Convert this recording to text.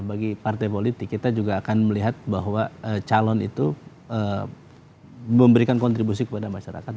bagi partai politik kita juga akan melihat bahwa calon itu memberikan kontribusi kepada masyarakat